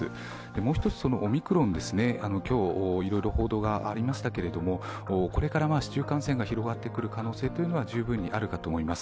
もう一つ、オミクロン、今日いろいろ報道がありましたが、これから市中感染が広がってくる可能性は十分にあると思います。